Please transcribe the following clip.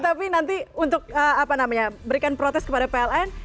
tapi nanti untuk berikan protes kepada pln